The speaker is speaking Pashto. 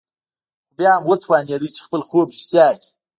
خو بيا هم وتوانېد چې خپل خوب رښتيا کړي.